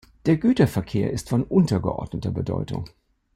Der Güterverkehr ist von untergeordneter Bedeutung.